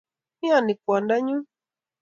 imnyoni kwondonyu